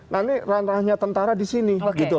nah ini ranahnya tentara disini